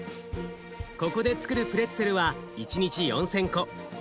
ここでつくるプレッツェルは１日４，０００個。